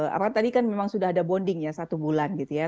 apa tadi kan memang sudah ada bonding ya satu bulan gitu ya